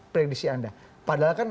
predisi anda padahal kan